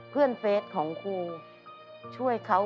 เพื่อนเฟซของครูช่วยเขา